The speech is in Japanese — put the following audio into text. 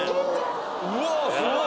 うわすごい。